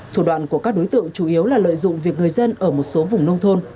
thủ đoạn của các đối tượng chủ yếu là lợi dụng việc người dân ở một số vùng nông thôn